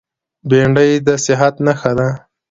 بېنډۍ د صحت نښه ده